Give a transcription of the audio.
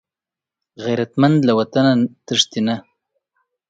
غیرتمند له وطنه تښتي نه